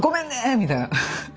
みたいな。